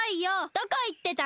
どこいってたの？